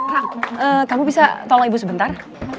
rak kamu bisa tolong ibu sebentar